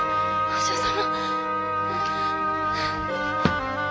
お嬢様。